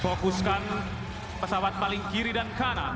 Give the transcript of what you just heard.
fokuskan pesawat paling kiri dan kanan